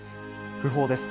訃報です。